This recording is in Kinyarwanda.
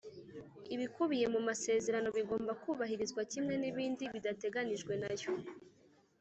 Ibikubiye mumasezerano bigomba kubahirizwa kimwe n ibindi bidateganyijwe nayo